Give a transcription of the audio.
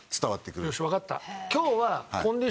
よしわかった。